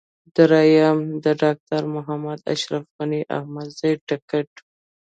درېم: د ډاکټر محمد اشرف غني احمدزي ټکټ.